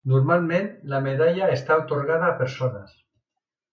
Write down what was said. Normalment, la medalla està atorgada a persones.